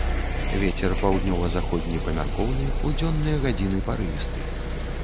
Вецер паўднёва-заходні памяркоўны, у дзённыя гадзіны парывісты.